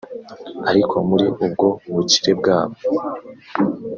Ariko muri ubwo bukire bwabo